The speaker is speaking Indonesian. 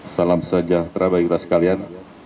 salam sejahtera bagi kita sekalian